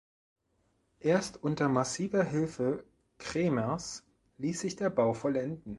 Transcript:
Erst unter massiver Hilfe Cremers ließ sich der Bau vollenden.